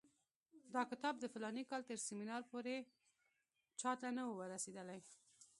دا کتاب د فلاني کال تر سیمینار پورې چا ته نه وو رسېدلی.